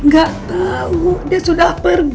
gak tahu dia sudah pergi